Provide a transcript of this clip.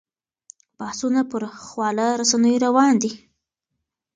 بحثونه پر خواله رسنیو روان دي.